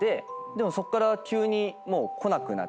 でもそっから急に来なくなっちゃって。